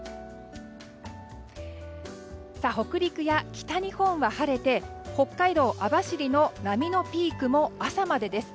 北陸や北日本は晴れて北海道網走の波のピークも朝までです。